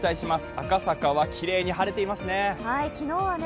赤坂はきれいに晴れていますね。